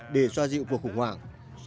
để xoa dịu cuộc khủng hoảng